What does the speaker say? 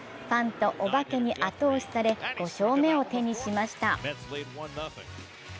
ファンとお化けに後押しされ５勝目を手にしました。